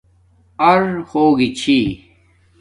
اَرہوگی چھئ